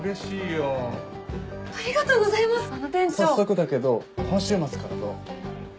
早速だけど今週末からどう？